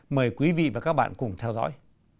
mời quý vị và các bạn cùng theo dõi